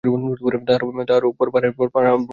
তাহার পর পাহাড়ে পাহাড়ে ভ্রমণ করিতেছি।